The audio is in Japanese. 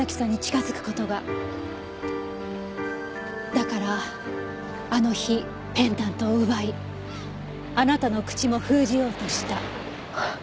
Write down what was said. だからあの日ペンダントを奪いあなたの口も封じようとした。